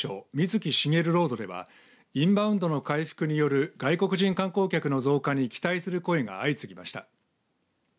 水木しげるロードではインバウンドの回復による外国人観光客の増加に期待する声が相次ぎました。